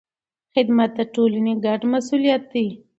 خدمت د ټولنې ګډ مسؤلیت دی.